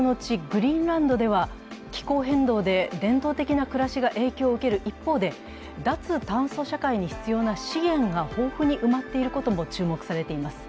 グリーンランドでは気候変動で伝統的な暮らしが影響を受ける一方で脱炭素化社会に必要な資源が豊富に埋まっていることも注目されています。